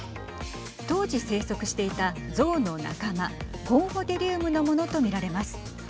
当時、生息していた象の仲間ゴンフォテリウムのものと見られます。